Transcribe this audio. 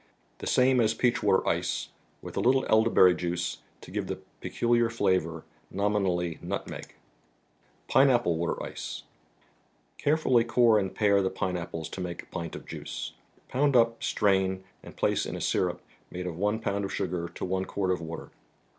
The same as " Peach Water Ice," with a little elderberry juice to give the peculiar flavor, nominally " nutmeg. " $Ute*apple abater CareiuU j core and ■* K pare the pine ap¬ ples to make a pint of juice. Pound up, strain, and place in a syrup made of one pound of sugar to one quart of water.